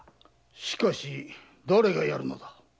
しかし誰が殺るのだ。